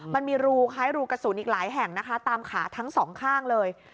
มันมีรูคล้ายรูกระสุนอีกหลายแห่งนะคะตามขาทั้งสองข้างเลย